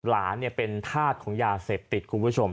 หลานเป็นธาตุของยาเสพติดคุณผู้ชม